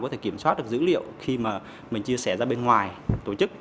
có thể kiểm soát được dữ liệu khi mà mình chia sẻ ra bên ngoài tổ chức